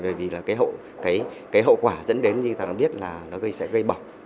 bởi vì cái hậu quả dẫn đến như người ta biết là nó sẽ gây bỏng